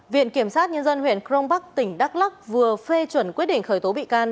viện kiểm sát nhân dân huyện crong bắc tỉnh đắk lắc vừa phê chuẩn quyết định khởi tố bị can